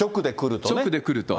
直で来ると。